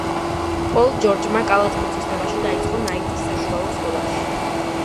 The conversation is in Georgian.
პოლ ჯორჯმა კალათბურთის თამაში დაიწყო ნაიტის საშუალო სკოლაში.